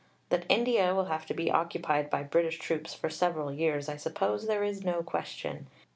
That India will have to be occupied by British troops for several years, I suppose there is no question.